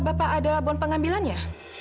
bapak ada bon pengambilannya